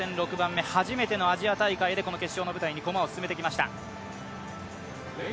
初めてのアジア大会でこの決勝の舞台に駒を進めてきました。